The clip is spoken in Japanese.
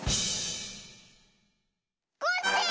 コッシー！